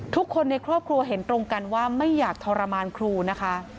ทุกคนในครอบครัวเห็นตรงกันว่าไม่อยากทรมานครูนะคะ